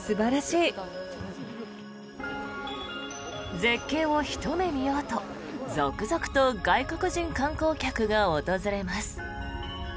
絶景をひと目見ようと続々と外国人観光客が訪れます。